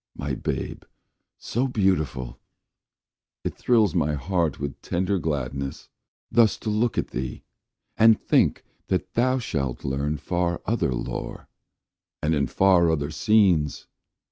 My babe so beautiful! it thrills my heart With tender gladness, thus to look at thee, And think that thou shalt learn far other lore, And in far other scenes!